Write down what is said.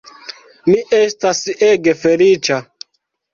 Mi estas ege feliĉa!